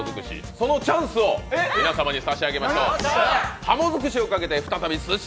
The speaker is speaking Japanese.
そのチャンスを皆様に差し上げましょう。